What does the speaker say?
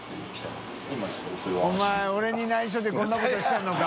俺に内緒でこんなことしてるのか？